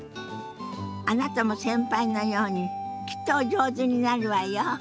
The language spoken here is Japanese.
あなたも先輩のようにきっとお上手になるわよ。